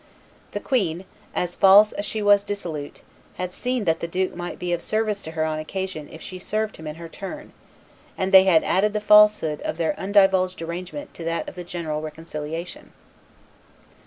The queen, as false as she was dissolute, had seen that the duke might be of service to her on occasion if she served him in her turn, and they had added the falsehood of their undivulged arrangement to that of the general reconciliation.